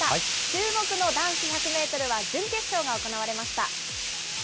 注目の男子１００メートルは準決勝が行われました。